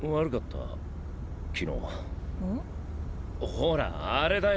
ほらあれだよ